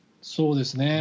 そうですね。